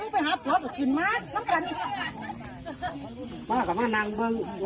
ก็ขึ้นนะครับ